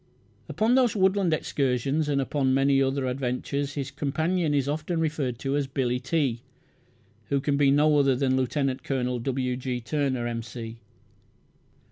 Upon those woodland excursions and upon many other adventures his companion is often referred to as "Billy T.", who can be no other than Lieut. Col. W. G. Turner, "M.C."